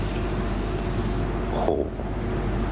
โหนี่เราจะกลายเป็นอะไร